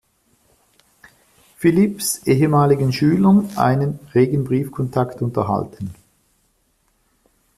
Phillips ehemaligen Schülern einen regen Briefkontakt unterhalten.